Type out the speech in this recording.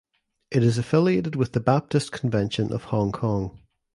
It is affiliated with the Baptist Convention of Hong Kong.